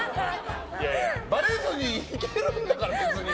ばれずに行けるんだから、別に！